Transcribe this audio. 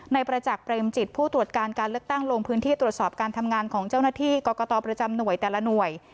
ประจักษ์เรมจิตผู้ตรวจการการเลือกตั้งลงพื้นที่ตรวจสอบการทำงานของเจ้าหน้าที่กรกตประจำหน่วยแต่ละหน่วย